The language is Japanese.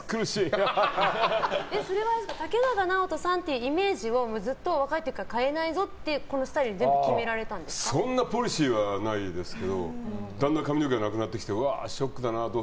それは竹中直人さんというイメージを若い時から変えないぞってこのスタイルをそんなポリシーはないですけどだんだん髪の毛がなくなってきてショックだな。